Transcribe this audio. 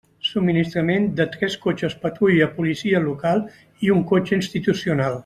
Subministrament de tres cotxes patrulla policia local i un cotxe institucional.